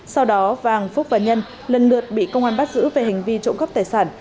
sau đó vàng phúc và nhân lần lượt bị công an bắt giữ về hành vi trộm cắp tài sản